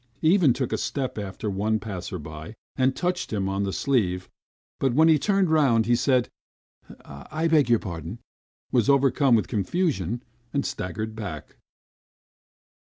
He even took a step after one passer by and touched him on the sleeve, but when he turned round, he said, "I beg your pardon," was overcome with confusion, and staggered back.